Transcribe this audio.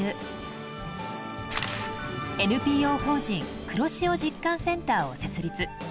ＮＰＯ法人黒潮実感センターを設立。